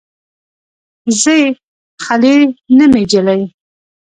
ځي خلې نه مې جلۍ